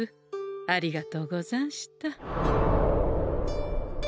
ありがとうござんした。